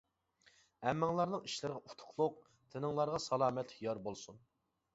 ھەممىڭلارنىڭ ئىشلىرىغا ئۇتۇقلۇق، تېنىڭلارغا سالامەتلىك يار بولسۇن.